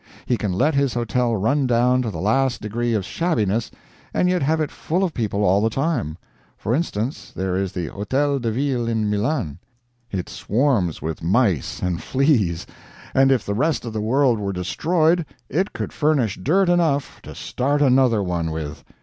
He can let his hotel run down to the last degree of shabbiness and yet have it full of people all the time. For instance, there is the Hotel de Ville, in Milan. It swarms with mice and fleas, and if the rest of the world were destroyed it could furnish dirt enough to start another one with.